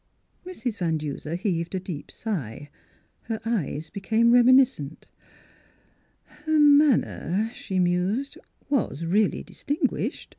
" Mrs. Van Duser heaved a deep sigh. Her eyes became reminiscent. " Her manner," she mused, " was really distinguished.